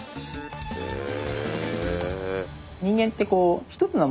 へえ。